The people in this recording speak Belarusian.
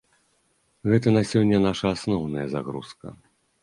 Гэта на сёння наша асноўная загрузка.